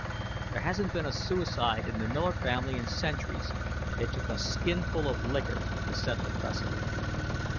There hasn't been a suicide in the Miller family in centuries. It took a skinful of liquor to set the precedent."